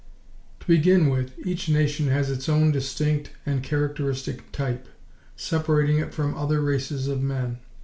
To begin with, each nation has its own distinct and characteristic type, separating it from other races of men.